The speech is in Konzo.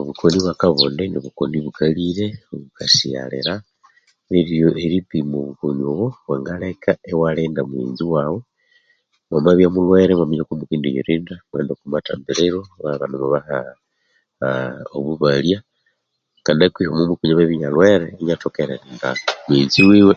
Obukoni bwa kabonde nibukoni bukalire bukasighalira neryo eripimwa obukoni obu bwangaleka iwalinda mughenzi waghu mwamabya mulhwere imwalebya kumukendiyirinda imwaghenda oku mathambiriro ibabya ibanemubaha obubalya niko o.ughuma ghokwinywe amabya inialhwere inyathoka eririnda mughenzi wiwe